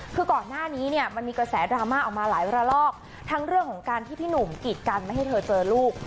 คือก่อนหน้านี้เนี่ยมันมีกระแสดราม่าออกมาหลายระลอกทั้งเรื่องของการที่พี่หนุ่มกีดกันไม่ให้เธอเจอลูก